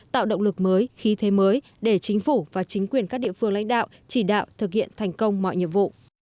tạo động lực mới khí thế mới để chính phủ và chính quyền các địa phương lãnh đạo chỉ đạo thực hiện thành công mọi nhiệm vụ